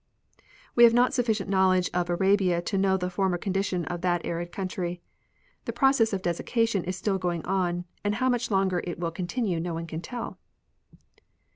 We have not sufficient knowledge of x^rabia to know the former condition of that arid country. The process of desiccation is still going on, and how much longer it will continue no one can tell.